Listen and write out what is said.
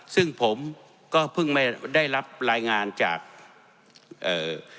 ซึ่งผมก็เพิ่งไม่ได้รับรายงานจากเอ่อ